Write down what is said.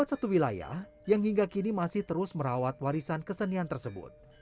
ada satu wilayah yang hingga kini masih terus merawat warisan kesenian tersebut